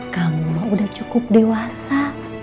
kamu udah cukup dewasa